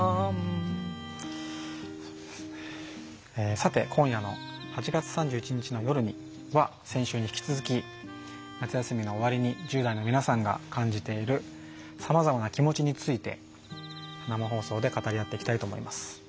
さて今夜の「＃８月３１日の夜に。」は先週に引き続き夏休みの終わりに１０代の皆さんが感じているさまざまな気持ちについて生放送で語り合っていきたいと思います。